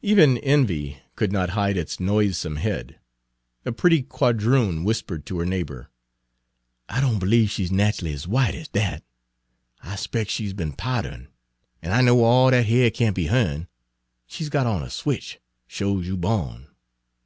Page 160 Even envy could not hide its noisome head: a pretty quadroon whispered to her neighbor: "I don't b'liebe she's natch'ly ez white ez dat. I 'spec' she 's be'n powd'rin'! An' I know all dat hair can't be her'n; she 's got on a switch, sho 's you bawn."